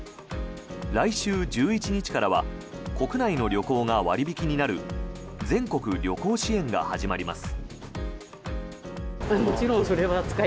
来週１１日からは国内の旅行が割引になる全国旅行支援が始まります。